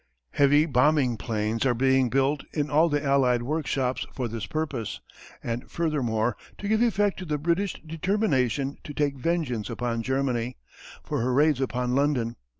Heavy bombing planes are being built in all the Allied workshops for this purpose, and furthermore to give effect to the British determination to take vengeance upon Germany, for her raids upon London.